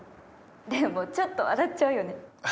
でもちょっと笑っちゃうよね。